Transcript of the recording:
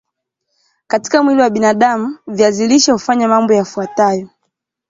katika mwili wa binadam viazi lishe hufanya mambo yafuatayao